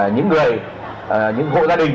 những người những hội gia đình